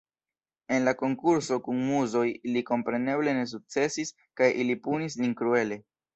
En la konkurso kun Muzoj li kompreneble ne sukcesis kaj ili punis lin kruele.